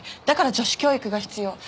だから女子教育が必要。